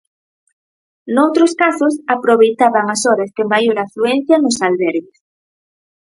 Noutros casos aproveitaban as horas de maior afluencia nos albergues.